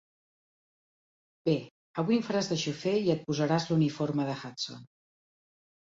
Bé, avui em faràs de xofer i et posaràs l'uniforme de Hudson.